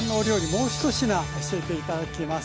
もう１品教えて頂きます。